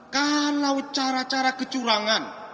kalau cara cara kecurangan